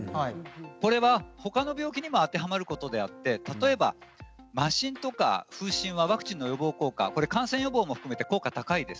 これはほかの病気にも当てはまることであって、例えば麻疹とか風疹はワクチンの予防効果、感染予防を含めて効果が高いです。